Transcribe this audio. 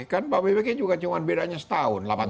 kan pabiki juga cuma bedanya setahun